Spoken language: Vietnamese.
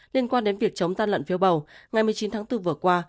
liên quan đến việc chống gian lận phiếu bầu ngày một mươi chín tháng bốn vừa qua